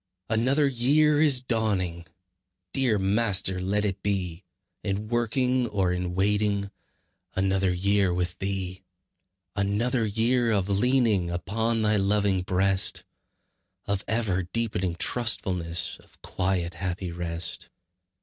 Another year is dawning! Dear Master, let it be In working or in waiting, Another year with Thee. Another year of leaning Upon Thy loving breast, Of ever deepening trustfulness, Of quiet, happy rest.